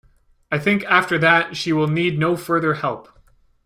I think after that she will need no further help.